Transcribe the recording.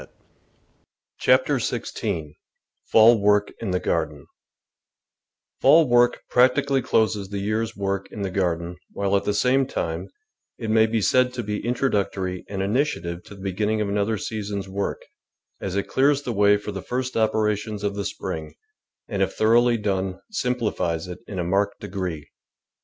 CHAPTER SIXTEEN FALL WORK IN THE GARDEN r ALL work practically closes the year's work in the garden, while, at the same time, it may be said to be introductory and initiative to the beginning of another season's work, as it clears the way for the first operations of the spring, and, if thorough ly done, simplifies it in a marked degree.